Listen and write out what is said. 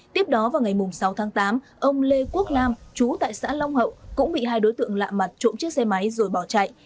tiếp đó vào ngày sáu tháng tám ông lê quốc nam chú tại xã long hậu cũng bị hai đối tượng lạ mặt trộm chiếc xe máy rồi bỏ chạy